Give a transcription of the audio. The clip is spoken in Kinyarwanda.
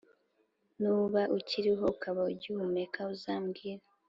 Nuba ukiriho, ukaba ugihumeka, uzambwire